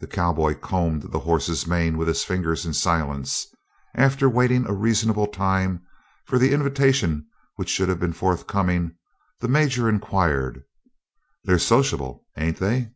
The cowboy combed the horse's mane with his fingers in silence. After waiting a reasonable time for the invitation which should have been forthcoming, the Major inquired: "They're sociable, ain't they?"